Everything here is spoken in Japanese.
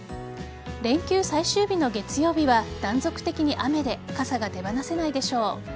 連休最終日の月曜日は断続的に雨で傘が手放せないでしょう。